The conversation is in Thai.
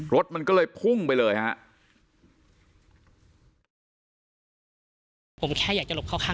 รถมันก็เลยพุ่งไปเลยฮะ